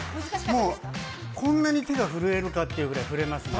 もう、こんなに手が震えるかっていうぐらい、震えますね。